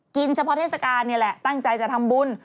เฉพาะเทศกาลนี่แหละตั้งใจจะทำบุญ